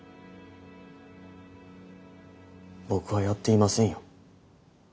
僕はやっていませんよ。